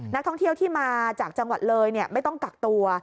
นักท่องเที่ยวที่มาจากจังหวัดเลยไม่ต้องกักตัว